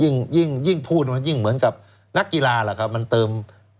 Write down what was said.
ยิ่งยิ่งยิ่งพูดมันยิ่งเหมือนกับนักกีฬาหรอครับมันเติม